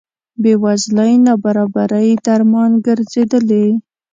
بې وزلۍ نابرابرۍ درمان ګرځېدلي.